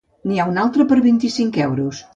N'hi ha una altra per vint-i-cinc euros.